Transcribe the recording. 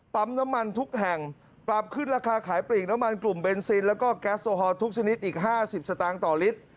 น้ำมันทุกแห่งปรับขึ้นราคาขายปลีกน้ำมันกลุ่มเบนซินแล้วก็แก๊สโอฮอลทุกชนิดอีก๕๐สตางค์ต่อลิตร